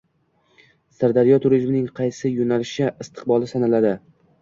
Sirdaryoda turizmning qaysi yo‘nalishi istiqbolli sanaladi?